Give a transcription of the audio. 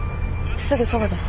すぐそばです。